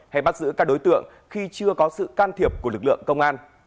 hay bắt giữ các đối tượng khi chưa có sự can thiệp của lực lượng công an